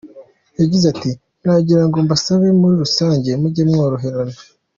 Yagize ati “ Nagira ngo mbasabe muri rusange mujye mworoherana.